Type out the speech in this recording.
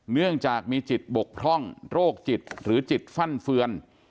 เนื่องจากมีจิตบกพร่องโรคจิตหรือจิตฟั่นเฟือน